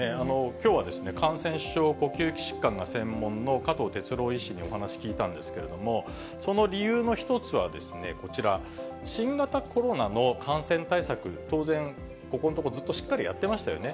きょうは感染症、呼吸器疾患が専門の加藤哲郎医師にお話聞いたんですけれども、その理由の一つはこちら、新型コロナの感染対策、当然、ここのところずっとしっかりやってましたよね。